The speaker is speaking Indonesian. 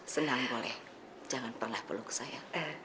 senang boleh jangan pernah peluk saya